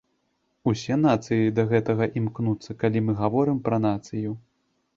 Усе нацыі да гэтага імкнуцца, калі мы гаворым пра нацыю.